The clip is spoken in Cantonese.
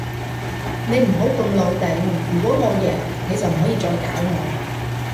你唔好咁老定，如果我贏，你就唔可以再搞我